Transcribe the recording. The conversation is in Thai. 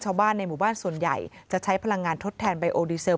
ชาวบ้านในหมู่บ้านส่วนใหญ่จะใช้พลังงานทดแทนไบโอดีเซล